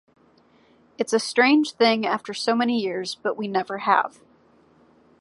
It's a strange thing after so many years but we never have.